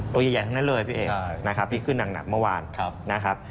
ตัวใหญ่ทั้งนั้นเลยพี่เอกนะครับที่ขึ้นหนักเมื่อวานนะครับ